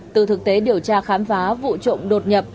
từ thực tế điều tra khám phá vụ trộm đột nhập